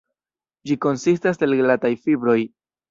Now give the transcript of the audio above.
Ĝi konsistas el glataj fibroj.